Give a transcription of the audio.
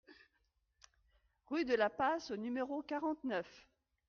Rue de la Passe au numéro quarante-neuf